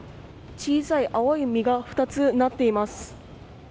小さい青い実が２つなっています。